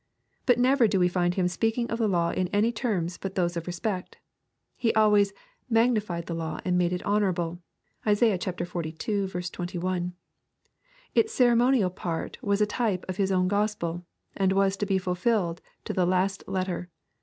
But never do we find Him speaking of the law in any terms but those of respect. He always " magnified the law and made it honorable." (Isaiah xlii. 21.) Its cer emonial part was a type of His own gospel, and was to be fulfilled to the last letter.